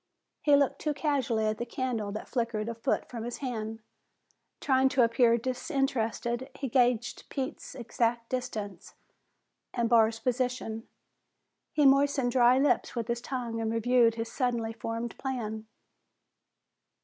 He looked too casually at the candle that flickered a foot from his hand. Trying to appear disinterested, he gauged Pete's exact distance and Barr's position. He moistened dry lips with his tongue and reviewed his suddenly formed plan.